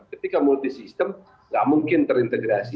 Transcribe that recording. ketika multi sistem nggak mungkin terintegrasi